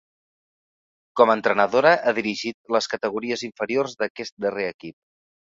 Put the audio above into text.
Com a entrenadora, ha dirigit les categories inferiors d'aquest darrer equip.